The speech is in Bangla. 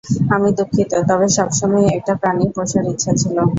আমি দুঃখিত, তবে সবসময়ই একটা প্রাণী পোষার ইচ্ছা ছিল।